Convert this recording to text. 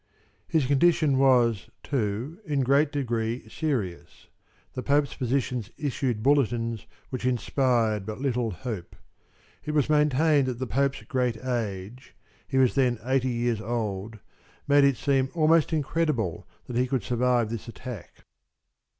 His condition was, too, in a great degree serious. The Pope's physicians issued bulletins which inspired but little hope. It was maintained that the Pope's great age he was then eighty years old made it seem almost incredible that he could survive this attack.